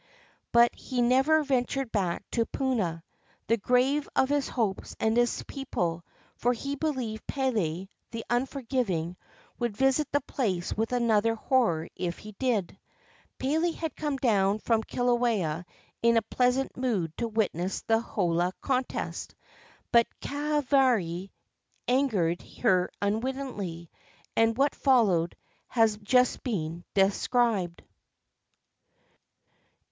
But he never ventured back to Puna, the grave of his hopes and his people, for he believed Pele, the unforgiving, would visit the place with another horror if he did. Pele had come down from Kilauea in a pleasant mood to witness the holua contest; but Kahavari an gered her unwittingly, and what followed has just been described.